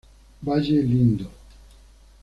Valle Lindo.